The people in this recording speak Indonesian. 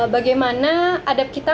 bagaimana adab kita